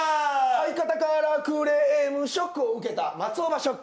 相方からクレームショックを受けた松尾芭蕉ック！